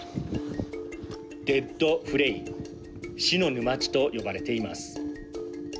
デッドフレイ＝死の沼地と呼ばれています。